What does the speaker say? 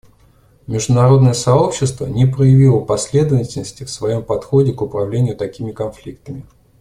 Международное сообщество не проявило последовательности в своем подходе к управлению такими конфликтами.